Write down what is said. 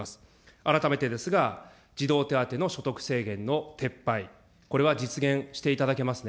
改めてですが、児童手当の所得制限の撤廃、これは実現していただけますね。